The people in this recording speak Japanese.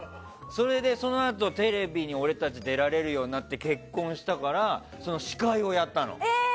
それで、そのあとテレビに俺たちが出られるようになって結婚したから、司会をやったの。